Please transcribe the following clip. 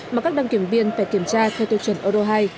mà các đăng kiểm viên phải kiểm tra theo tiêu chuẩn ô tô hay